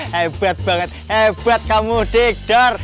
hebat banget hebat kamu dikdor